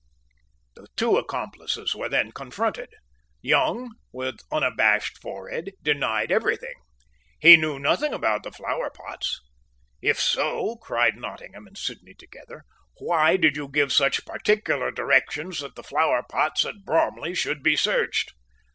The two accomplices were then confronted. Young, with unabashed forehead, denied every thing. He knew nothing about the flowerpots. "If so," cried Nottingham and Sidney together, "why did you give such particular directions that the flowerpots at Bromley should be searched?"